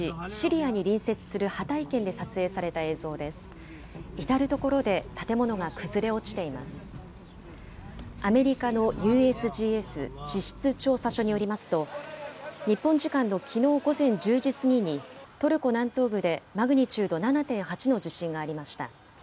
アメリカのＵＳＧＳ・地質調査所によりますと、日本時間のきのう午前１０時過ぎに、トルコ南東部でマグニチュード７．８の地震がありました。